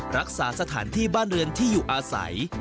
รักษาสถานที่บ้านเรือนที่อยู่อาศัย